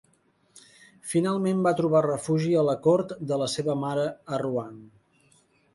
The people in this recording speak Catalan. Finalment va trobar refugi a la cort de la seva mare a Rouen.